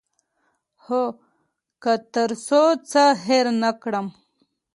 هو، که تر څو څه هیر نه کړم